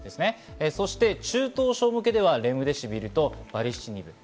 そして中等症向けではレムデシビルとバリシチニブ。